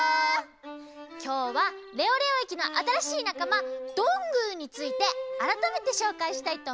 きょうはレオレオ駅のあたらしいなかまどんぐーについてあらためてしょうかいしたいとおもいます。